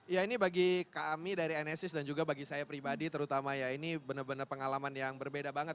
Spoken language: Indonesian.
ya ini bagi kami dari nsis dan juga bagi saya pribadi terutama ya ini benar benar pengalaman yang berbeda banget